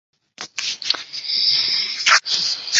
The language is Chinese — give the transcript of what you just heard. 繁体中文版本由台湾青文出版社代理发行。